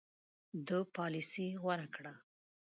ده پالیسي غوره کړه.